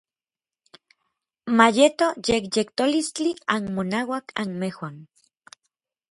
Ma yeto yekyetolistli anmonauak anmejuan.